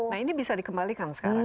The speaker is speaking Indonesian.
nah ini bisa dikembalikan sekarang